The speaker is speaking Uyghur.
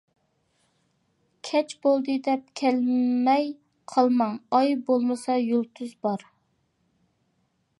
كەچ بولدى دەپ كەلمەي قالماڭ ئاي بولمىسا يۇلتۇز بار.